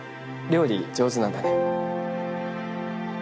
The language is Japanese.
料理上手なんだね。